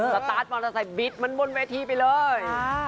สตาร์ทมอเตอร์ไซค์บิดมันบนเวทีไปเลย